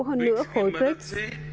cố hơn nữa khối brics